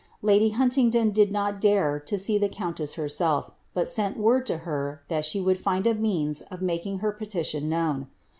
Lady Huntingdon did not dare to see the eoun« BM herself, but sent word to her that she would find a means of making ler petition known.